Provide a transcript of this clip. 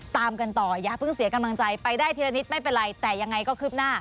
ตามกันต่ออย่าเพิ่งเสียกำลังใจไปได้ทีละนิดไม่เป็นไรแต่ยังไงก็คืบหน้า